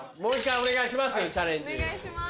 お願いします。